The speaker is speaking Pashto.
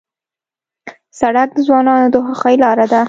سړک د ځوانانو د خوښۍ لاره ده.